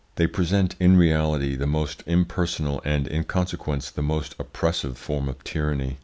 They represent in reality the most impersonal and, in consequence, the most oppressive form of tyranny.